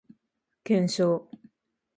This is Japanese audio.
検証